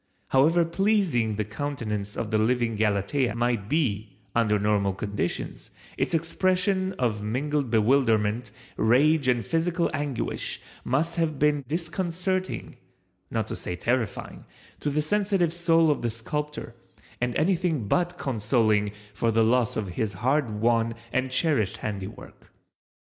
However pleasing the countenance of the living Galatea might be under normal conditions its expression of mingled bewilderment, rage and physical anguish must have been disconcerting, not to say terrifying, to the sensitive soul of the sculptor, and anything but consoling for the loss of his hard won and cherished handiwork.